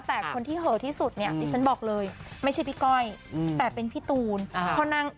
แต่คนที่เหอะที่สุดเนี่ยดิฉันบอกเลยไม่ใช่พี่ก้อยแต่เป็นพี่ตูน